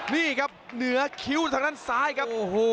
นี่ครับเหนือคิ้วต่างกันซ้ายครับ